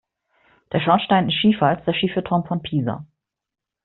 Der Schornstein ist schiefer als der schiefe Turm von Pisa.